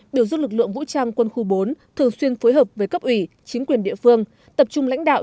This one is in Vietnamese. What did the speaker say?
biểu dục lực lượng vũ trang quân khu bốn thường xuyên phối hợp với cấp ủy chính quyền địa phương tập trung lãnh đạo